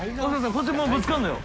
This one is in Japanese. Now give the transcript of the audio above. こっちもうぶつかるのよ。